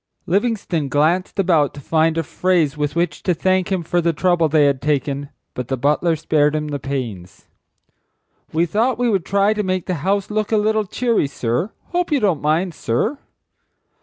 Livingstone glanced about to find a phrase with which to thank him for the trouble they had taken; but the butler spared him the pains. "We thought we would try to make the house look a little cheery, sir. Hope you don't mind, sir?"